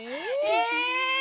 え！